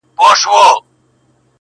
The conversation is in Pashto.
ستا د کتاب تر اشو ډېر دي زما خالونه-